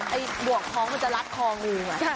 ไอ้หวากพ้องมันจะลัดคองมือเหมือนกว่า